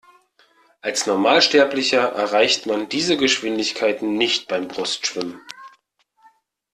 Als Normalsterblicher erreicht man diese Geschwindigkeiten nicht beim Brustschwimmen.